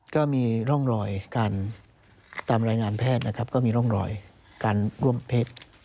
ก็มีร่องรอยการตามรายงานแพทย์นะครับก็มีร่องรอยการร่วมเพศ